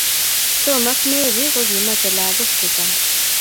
Tom ak Mary ko kimoche lagok chechang